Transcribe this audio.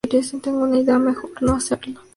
Espera. Tengo una idea mejor. ¡ no hacerlo!